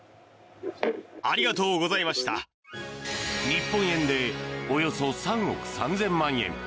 日本円でおよそ３億３０００万円。